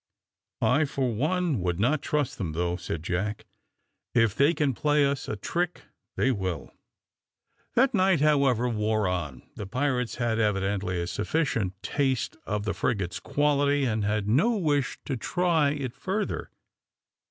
"I, for one, would not trust them, though," said Jack; "if they can play us a trick they will." The night, however, wore on. The pirates had evidently a sufficient taste of the frigate's quality, and had no wish to try it further.